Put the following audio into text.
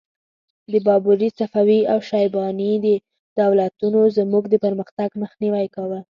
د بابري، صفوي او شیباني دولتونو زموږ د پرمختګ مخنیوی کاوه.